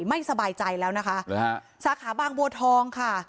ไม่สบายใจแล้วนะคะสาขาบังวันทองค่ะ